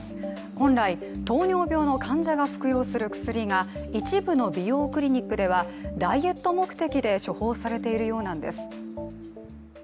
本来、糖尿病の患者が服用する薬が一部の美容クリニックではダイエット目的で処方されているようなんです。